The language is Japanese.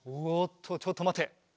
おっとちょっとまて。